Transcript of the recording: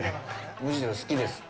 むしろ好きです。